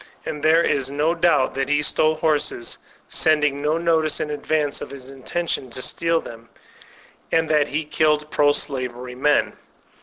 And there is no doubt that he stole horses, sending no notice in advance of his intention to steal them, and that he killed pro slavery men.